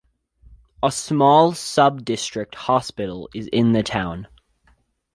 A small sub-district hospital is in the town.